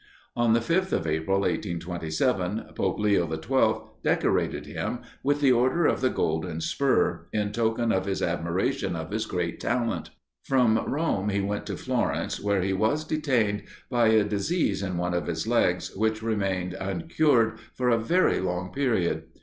On the 5th of April, 1827, Pope Leo the Twelfth decorated him with the Order of the Golden Spur, in token of his admiration of his great talent. From Rome he went to Florence, where he was detained by a disease in one of his legs, which remained uncured for a very long period.